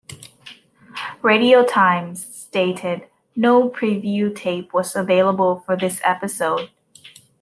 "Radio Times" stated, "No preview tape was available for this episode.